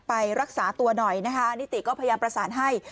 ไปรักษาตัวหน่อยนะคะนิติก็พยายามประสานให้